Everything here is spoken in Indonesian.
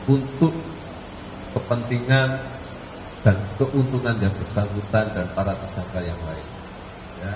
untuk kepentingan dan keuntungan yang bersangkutan dan para tersangka yang lain